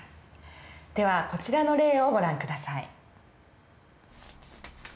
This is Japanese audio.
ではこちらの例をご覧下さい。